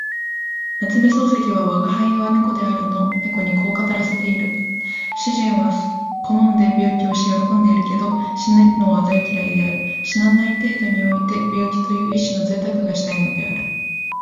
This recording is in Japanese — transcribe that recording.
夏目漱石は吾輩は猫であるの猫にこう語らせている。主人は好んで病気をし喜んでいるけど、死ぬのは大嫌いである。死なない程度において病気という一種の贅沢がしたいのである。